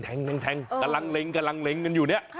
แทงกำลังเล็งกำลังเล็งกันอยู่เนี่ย